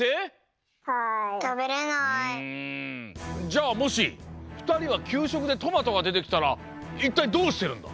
じゃあもしふたりはきゅうしょくでトマトが出てきたらいったいどうしてるんだ？